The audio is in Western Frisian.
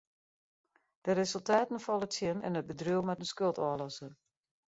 De resultaten falle tsjin en it bedriuw moat in skuld ôflosse.